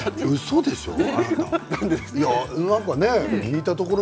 うそでしょう。